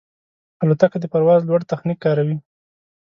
الوتکه د پرواز لوړ تخنیک کاروي.